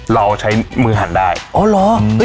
เราใช้มือหันได้อ๋อเหรอ